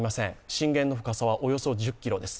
震源の深さはおよそ１０ｋｍです。